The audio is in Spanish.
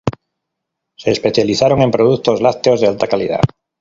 Se especializaron en productos lácteos de alta calidad.